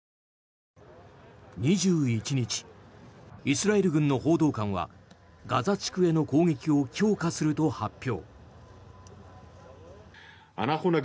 ２１日、イスラエル軍の報道官はガザ地区への攻撃を強化すると発表。